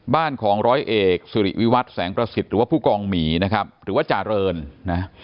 บ้านของร้อยเอกสิริวิวัตรแสงประสิทธิ์หรือว่าผู้กองหมีนะครับหรือว่าจาเรินนะ